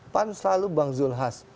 pan selalu bang zulhaz